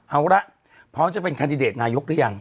เอาละพร้อมจะเป็นคันดิเดตนายกหรือยัง